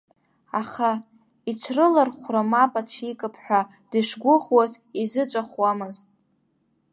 Аха иҽрылархәра мап ацәикып ҳәа дышгәыӷуаз изыҵәахуамызт.